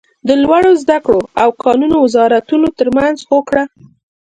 د لوړو ذده کړو او کانونو وزارتونو تر مینځ هوکړه